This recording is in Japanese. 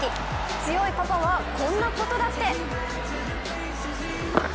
強いパパは、こんなことだって。